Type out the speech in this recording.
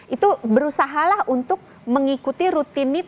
itu berusahalah untuk mengikuti rutinitas